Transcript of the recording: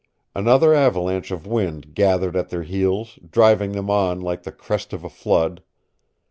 Another avalanche of wind gathered at their heels, driving them on like the crest of a flood.